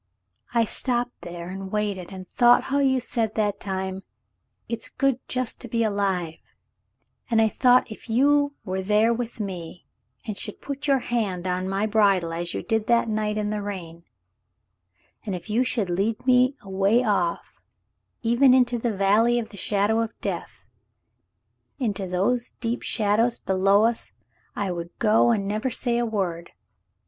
"I stopped there and waited and thought how you said that time, *It's good just to be alive,' and I thought if you were there with me and should put your hand on my bridle as you did that night in the rain, and if you should lead me away off — even into the * Valley of the shadow of death' into those deep shadows below us I would go and never say a word.